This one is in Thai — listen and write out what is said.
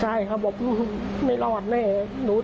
ใช่เขาบอกไม่รอดแน่